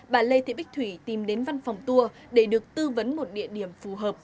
bà lê thị bích thủy tìm đến văn phòng tour để được tư vấn một địa điểm phù hợp